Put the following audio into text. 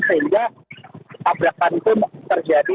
sehingga pabrakan pun terjadi